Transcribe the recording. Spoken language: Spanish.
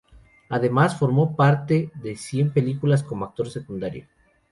Además formó parte de más de cien películas como actor secundario.